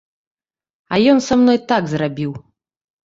А ён са мной так зрабіў.